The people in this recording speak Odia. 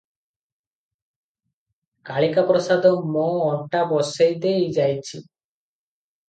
କାଳିକାପ୍ରସାଦ ମୋ ଅଣ୍ଟା ବସେଇ ଦେଇ ଯାଇଛି ।